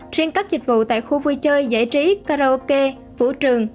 trên các dịch vụ tại khu vui chơi giải trí karaoke vũ trường